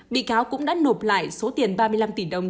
bị cáo cũng đã nộp lại số tiền ba mươi năm tỷ đồng